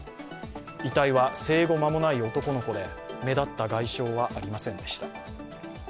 遺体は生後間もない男の子で目立った外傷はありませんでした。